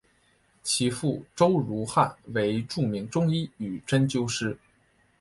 其父周汝汉为著名中医与针灸师。